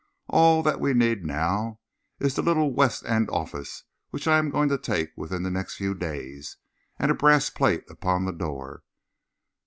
All that we need now is the little West End office which I am going to take within the next few days, and a brass plate upon the door.